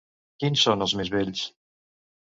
Quins són els més vells?